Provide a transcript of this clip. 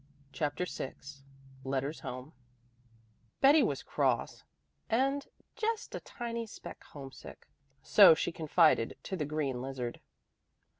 CHAPTER VI LETTERS HOME Betty was cross and "just a tiny speck homesick," so she confided to the green lizard.